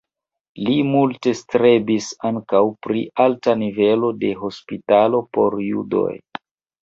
Li multe strebis ankaŭ pri alta nivelo de hospitalo por judoj.